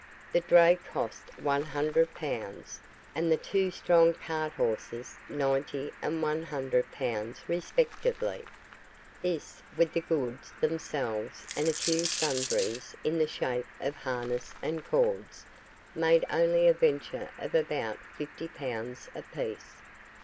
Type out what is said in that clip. The dray cost one hundred pounds, and the two strong cart horses ninety and one hundred pounds respectively. This, with the goods themselves, and a few sundries in the shape of harness and cords, made only a venture of about fifty pounds a piece.